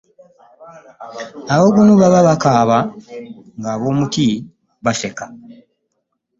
Ab'ogunu baba bakaaba nga'ab'omuti baseka .